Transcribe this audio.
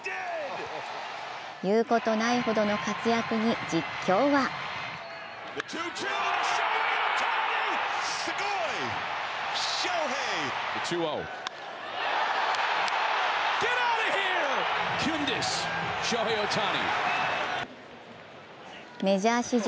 言うことないほどの活躍に実況はメジャー史上